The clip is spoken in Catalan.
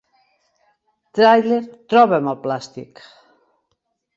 Tràiler Troba'm el plàstic.